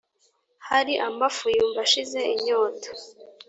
hari amafu yumva ashize inyota.